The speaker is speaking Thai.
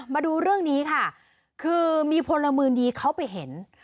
มาดูเรื่องนี้ค่ะคือมีพลเมืองดีเขาไปเห็น